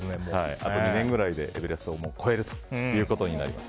あと２年ぐらいでエベレストを超えることになります。